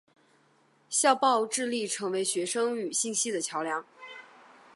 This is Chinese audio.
校报致力成为学生与信息的桥梁。